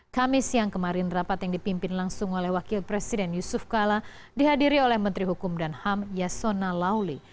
kami siang kemarin rapat yang dipimpin langsung oleh wakil presiden yusuf kala dihadiri oleh menteri hukum dan ham yasona lauli